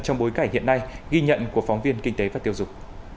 trong bối cảnh hiện nay ghi nhận của phóng viên kinh tế và tiêu dục